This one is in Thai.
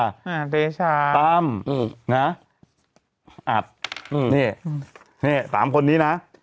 อ่าเดชาตั้มอืมนะอัดอืมเนี้ยเนี้ยสามคนนี้นะคุณอัด